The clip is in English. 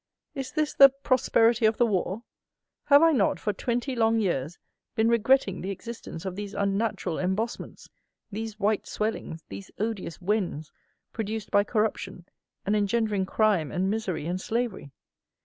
Is this the "prosperity of the war?" Have I not, for twenty long years, been regretting the existence of these unnatural embossments; these white swellings, these odious wens, produced by Corruption and engendering crime and misery and slavery?